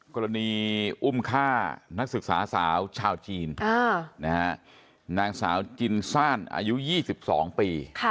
กรณีอุ้มฆ่านักศึกษาสาวชาวจีนนางสาวจินซ่านอายุ๒๒ปี